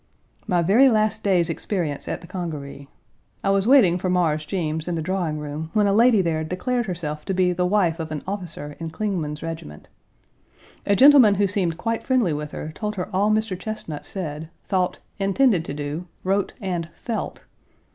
My very last day's experience at the Congaree. I was waiting for Mars Jeems in the drawing room when a lady there declared herself to be the wife of an officer in Clingman's regiment. A gentleman who seemed quite friendly with her, told her all Mr. Chesnut said, thought, intended to do, wrote, and felt.